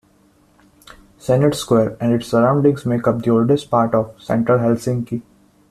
Senate Square and its surroundings make up the oldest part of central Helsinki.